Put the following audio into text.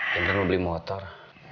nanti mau beli motor